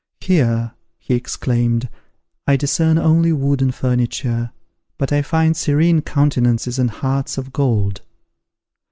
"Here," he exclaimed, "I discern only wooden furniture; but I find serene countenances and hearts of gold."